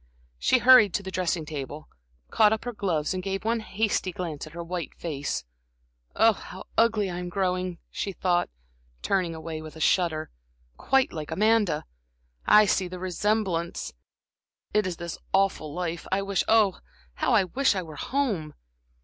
She hurried to the dressing table, caught up her gloves and gave one hasty glance at her white face. "How ugly I am growing," she thought, turning away with a shudder; "quite like Amanda! I see the resemblance. It is this awful life. I wish oh, how I wish I were home!"